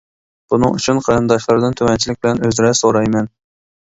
بۇنىڭ ئۈچۈن قېرىنداشلاردىن تۆۋەنچىلىك بىلەن ئۆزرە سورايمەن.